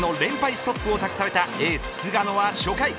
ストップを託されたエース、菅野は初回。